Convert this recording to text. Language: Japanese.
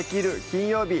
金曜日」